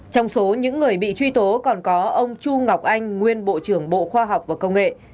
trong số những người bị truy tố còn có ông chu ngọc anh nguyên bộ trưởng bộ khoa học và công nghệ